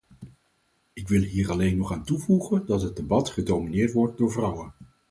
Ik wil hier alleen nog aan toevoegen dat het debat gedomineerd wordt door vrouwen.